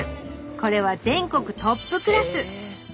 これは全国トップクラス！